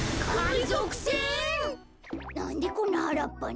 なんでこんなはらっぱに？